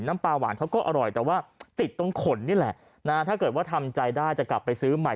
น้ำปลาหวานเขาก็อร่อยแต่ว่าติดตรงขนนี่แหละนะถ้าเกิดว่าทำใจได้จะกลับไปซื้อใหม่